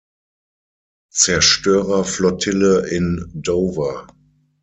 Zerstörerflottille“ in Dover.